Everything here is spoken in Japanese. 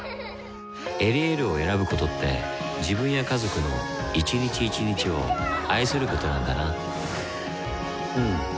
「エリエール」を選ぶことって自分や家族の一日一日を愛することなんだなうん。